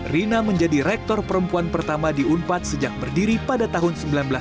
rina menjadi rektor perempuan pertama di unpad sejak berdiri pada tahun seribu sembilan ratus sembilan puluh